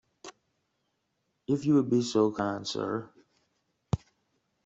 If you would be so kind, sir.